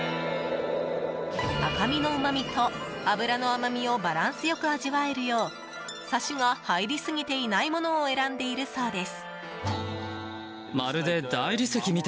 赤身のうまみと脂の甘みをバランス良く味わえるようサシが入りすぎていないものを選んでいるそうです。